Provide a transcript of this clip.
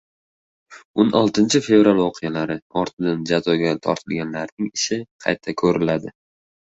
o'n oltinchi fevral voqealari» ortidan jazoga tortilganlarning «ishi» qayta ko‘riladi